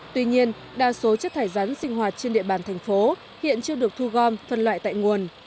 tuy nhiên đa số chất thải rắn sinh hoạt trên địa bàn thành phố hiện chưa được thu gom phân loại tại nguồn